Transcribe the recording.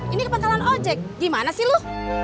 ini kepengkalanan ojek gimana sih lo